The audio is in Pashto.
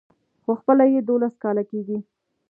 خو خپله يې دولس کاله کېږي.